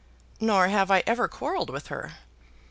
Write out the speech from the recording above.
Nor have I ever quarrelled with her.